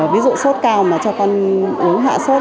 ví dụ suốt cao mà cho con uống hạ suốt